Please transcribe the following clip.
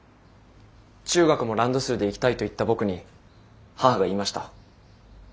中学もランドセルで行きたいと言った僕に母が言いました。